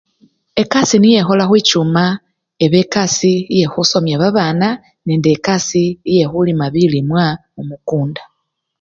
Ekasii niye ekhola khwichuma, eba ekasii yekhusomya babana nende ekasii yekhulima bilimwa mukunda.